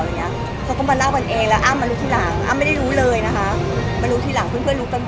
สุดท้ายเขาก็บอกอ้ำแต่อ้ำบอกไม่ได้หมดอ้ำเลยต้องตามไปฟังเอง